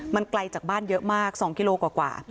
มันไกลจากบ้านเยอะมาก๒กิโลกว่า